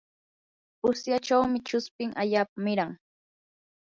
usyachaw chuspin allaapa miran.